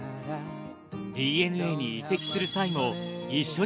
ＤｅＮＡに移籍する際も。